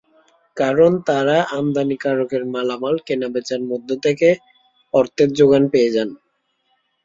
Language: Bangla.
কারণ, তারা আমদানিকারকের মালামাল কেনাবেচার মধ্য থেকে অর্থের জোগান পেয়ে যান।